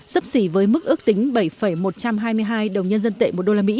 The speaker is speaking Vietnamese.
sấp xỉ với mức ước tính bảy một trăm hai mươi hai đồng nhân dân tệ một đô la mỹ